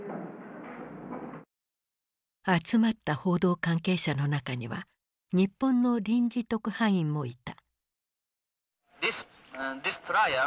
集まった報道関係者の中には日本の臨時特派員もいた。